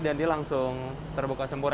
dan dia langsung terbuka sempurna